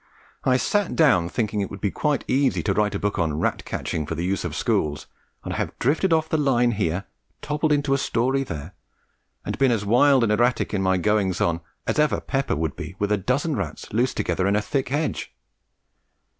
I sat down thinking it would be quite easy to write a book on "Rat catching for the Use of Schools," and I have drifted off the line here, toppled into a story there, and been as wild and erratic in my goings on as even Pepper would be with a dozen rats loose together in a thick hedge.